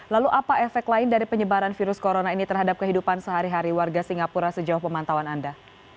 lalu apa efek lain dari penyebaran virus corona ini terhadap kehidupan sehari hari warga singapura sejauh pemantauan anda